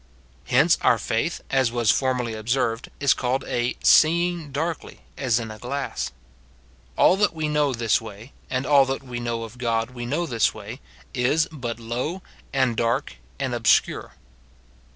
Hence our faith, as was formerly observed, is called a "seeing darkly, as in a glass." All that we know this 23* 270 MORTIFICATION OF way (and all that we know of God we know this way) is but low, and dark, and obscure.